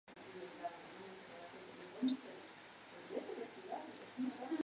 Parece que no tiene ninguna prisa por llegar a casa.